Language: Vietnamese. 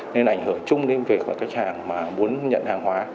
nên ảnh hưởng chung với các hãng mà muốn nhận hàng hóa